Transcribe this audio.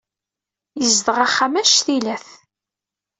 Yezdeɣ axxam annect-ilat.